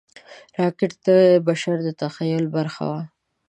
راکټ د بشر د تخیل برخه وه